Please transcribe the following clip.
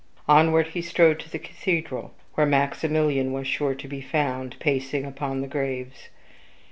Onward he strode to the cathedral, where Maximilian was sure to be found, pacing about upon the graves.